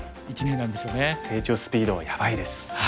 成長スピードがやばいです。